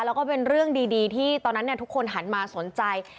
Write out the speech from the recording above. แล้วก็เป็นเรื่องดีที่ตอนนั้นทุกคนหันมาสนใจ